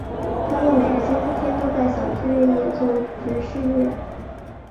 他们每个星期天在一个小剧院演奏爵士乐。